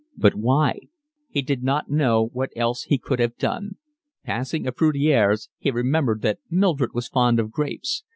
But why? He did not know what else he could have done. Passing a fruiterer's, he remembered that Mildred was fond of grapes.